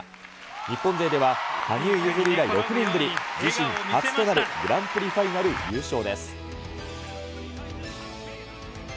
日本勢では羽生結弦以来６年ぶり、自身初となるグランプリファイナル優勝です。